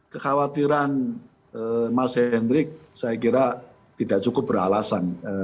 kekhawatiran mas hendrik saya kira tidak cukup beralasan